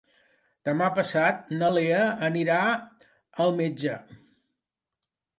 Demà passat na Lea anirà al metge.